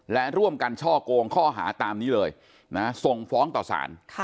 และร่วมกันช่อกงข้อหาตามนี้เลยนะส่งฟ้องต่อสาร